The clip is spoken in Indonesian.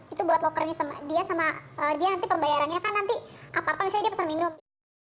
itu buat lockernya sama dia sama dia nanti pembayarannya kan nanti apa apa misalnya dia pesan minum